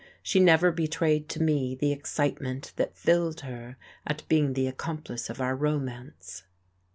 She never betrayed to me the excitement that filled her at being the accomplice of our romance.